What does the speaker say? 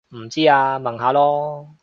唔知啊問下囉